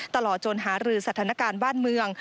ตลอดจนหารือสถานการณ์บ้านเมือง